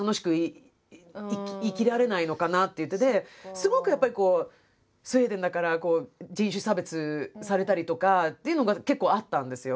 すごくやっぱりスウェーデンだから人種差別されたりとかっていうのが結構あったんですよ。